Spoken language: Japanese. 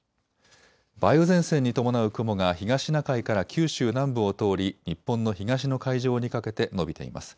梅雨前線に伴う雲が東シナ海から九州南部を通り日本の東の海上にかけて延びています。